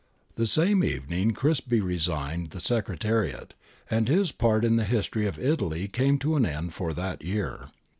The same evening Crispi resigned the secretariate, and his part in the history of Italy came to an end for that year.